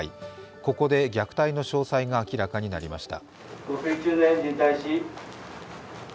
ここで虐待の詳細が明らかになりました。